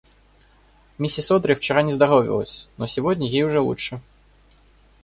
Миссис Одри вчера не здоровилось, но сегодня ей уже лучше.